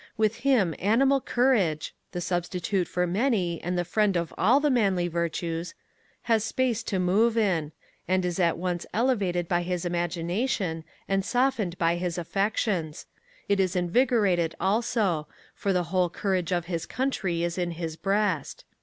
With him animal courage (the substitute for many and the friend of all the manly virtues) has space to move in: and is at once elevated by his imagination, and softened by his affections: it is invigorated also; for the whole courage of his country is in his breast.